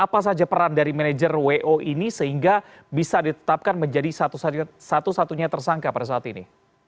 apa saja peran dari manajer wo ini sehingga bisa ditetapkan menjadi satu satunya tersangka pada saat ini